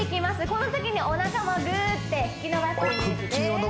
このときにおなかもグーッて引き伸ばすイメージです